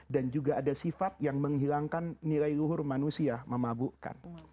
dan juga ada sifat yang menghilangkan nilai luhur manusia memabukkan